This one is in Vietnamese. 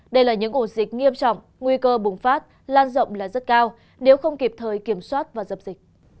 đây là những ổ dịch nghiêm trọng nguy cơ bùng phát lan rộng là rất cao nếu không kịp thời kiểm soát và dập dịch